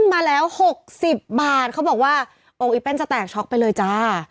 มาแล้ว๖๐บาทเขาบอกว่าอกอีเป้นจะแตกช็อกไปเลยจ้า